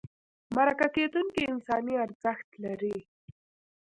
مرکه کېدونکی انساني ارزښت لري.